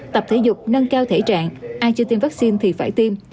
tập thể dục nâng cao thể trạng ai chưa tiêm vaccine thì phải tiêm